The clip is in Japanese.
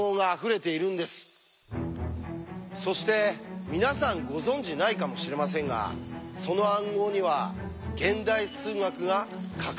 そして皆さんご存じないかもしれませんがその暗号には現代数学が欠かせないんです！